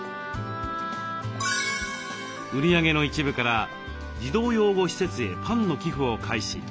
売り上げの一部から児童養護施設へパンの寄付を開始。